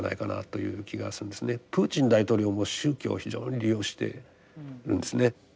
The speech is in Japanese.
プーチン大統領も宗教を非常に利用してるんですね。